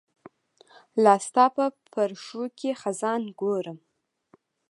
لاستا په پرښوکې خزان ګورم